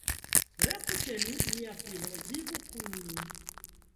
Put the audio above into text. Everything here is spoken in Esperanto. Restu ĉe ni, mia filo, vivu kun ni.